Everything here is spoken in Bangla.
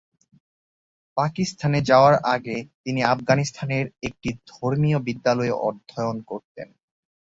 পাকিস্তানে যাওয়ার আগে তিনি আফগানিস্তানের একটি ধর্মীয় বিদ্যালয়ে অধ্যয়ন করতেন।